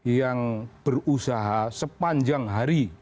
yang berusaha sepanjang hari